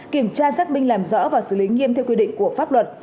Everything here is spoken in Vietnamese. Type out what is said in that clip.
kiểm tra xác minh làm rõ và xử lý nghiêm theo quy định của pháp luật